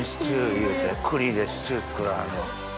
言うて栗でシチュー作らはるの。